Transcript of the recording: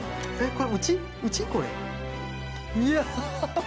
これ。